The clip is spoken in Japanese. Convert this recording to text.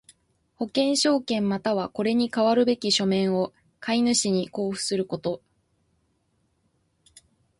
保険証券又はこれに代わるべき書面を買主に交付すること。